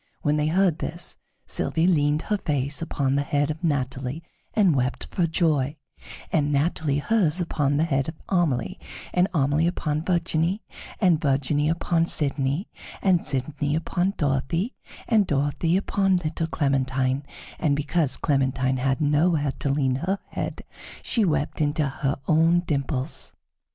When they heard this, Sylvie leaned her face upon the head of Natalie and wept for joy; and Natalie hers upon the head of Amelie, and Amelie upon Virginie, and Virginie upon Sidonie, and Sidonie upon Dorothée, and Dorothée upon little Clementine, and because Clementine had nowhere to lean her head, she wept into her own dimples.